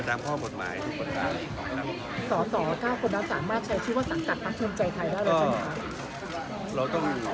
ต่อ๙คนเราสามารถใช้ชื่อว่าสัตว์ตัดปังเทิมใจไทยได้แล้วใช่ไหมครับ